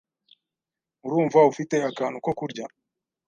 Urumva ufite akantu ko kurya?